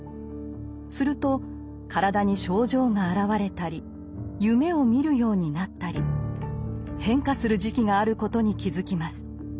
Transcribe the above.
すると体に症状が現れたり夢を見るようになったり変化する時期があることに気付きます。